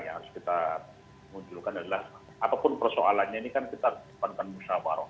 yang harus kita munculkan adalah apapun persoalannya ini kan kita depankan musyawarah